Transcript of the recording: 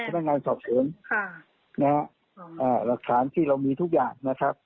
พนักงานสอบสวนหลักฐานที่เรามีทุกอย่างนะครับ